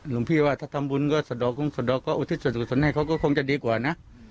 ลุงพี่ว่าถ้าทำบุญก็สดอกก็อุทิศสนให้เขาก็คงจะดีกว่านะ